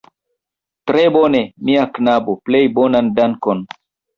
Tre bone, mia knabo, plej bonan dankon!